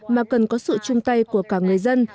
mà cần có sự chung tay của cả người dân